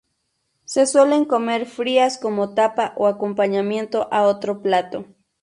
Se suelen comer frías como tapa o acompañamiento a otro plato.